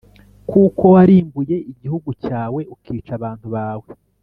Kuko warimbuye igihugu cyawe ukica abantu bawe,